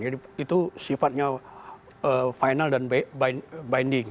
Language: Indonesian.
jadi itu sifatnya final dan binding